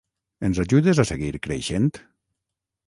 Ens ajudes a seguir creixent?